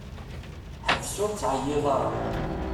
Ḥbes ur ttɛeyyiḍ ara!